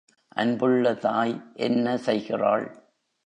அன்புள்ள தாய் என்ன செய்கிறாள்?